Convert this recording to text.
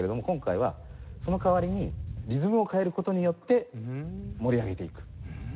今回はその代わりにリズムを変える事によって盛り上げていく。